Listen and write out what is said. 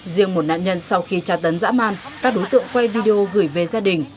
riêng một nạn nhân sau khi tra tấn dã man các đối tượng quay video gửi về gia đình